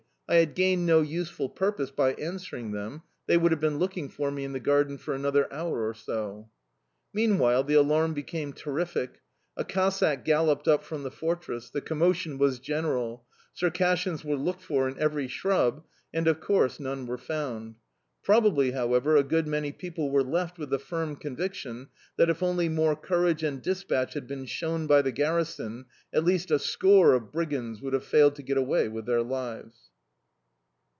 I had gained no useful purpose by answering them: they would have been looking for me in the garden for another hour or so. Meanwhile the alarm became terrific. A Cossack galloped up from the fortress. The commotion was general; Circassians were looked for in every shrub and of course none were found. Probably, however, a good many people were left with the firm conviction that, if only more courage and despatch had been shown by the garrison, at least a score of brigands would have failed to get away with their lives.